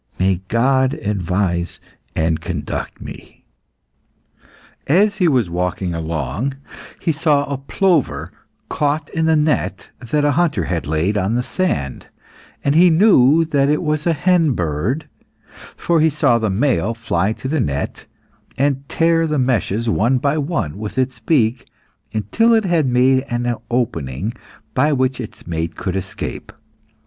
May God advise and conduct me." As he was walking along, he saw a plover, caught in the net that a hunter had laid on the sand, and he knew that it was a hen bird, for he saw the male fly to the net, and tear the meshes one by one with its beak, until it had made an opening by which its mate could escape.